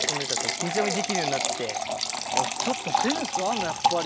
ちょっとセンスあるなやっぱり。